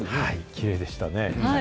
きれいでしたね。